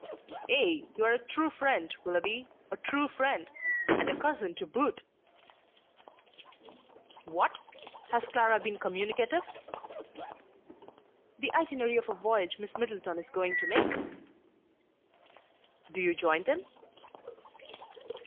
"Ay, you're a true friend, Willoughby, a true friend. And a cousin to boot!" "What! has Clara been communicative?" "The itinerary of a voyage Miss Middleton is going to make." "Do you join them?"